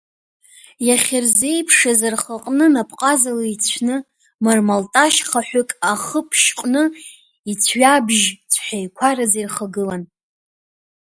Иахьырзеиԥшыз рхаҟны напҟазала ицәны, мармалташь хаҳәык ахы ԥшьҟны ицәҩабжь-цхәеиқәараӡа ирхагылан.